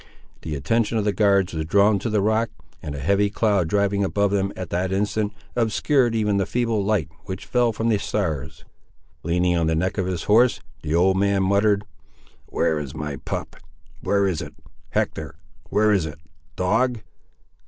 The attention of the guards was drawn to the rock, and a heavy cloud driving above them at that instant, obscured even the feeble light which fell from the stars. Leaning on the neck of his horse, the old man muttered— "Where is my pup? Where is it—Hector—where is it, dog?"